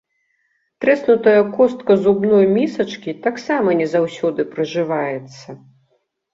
Трэснутая костка зубной місачкі таксама не заўсёды прыжываецца.